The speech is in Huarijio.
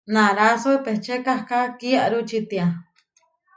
Naráso epečé kahká kiarú čitiá.